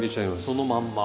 そのまんま。